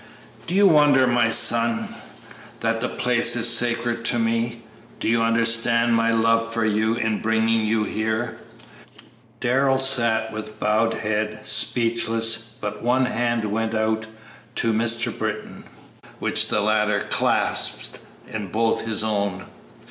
Do you wonder, my son, that the place is sacred to me? Do you understand my love for you in bringing you here?" Darrell sat with bowed head, speechless, but one hand went out to Mr. Britton, which the latter clasped in both his own.